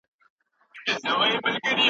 سترګي د محفل درته را واړوم